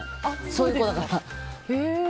そういう子だから。